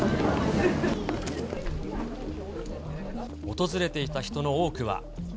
訪れていた人の多くは。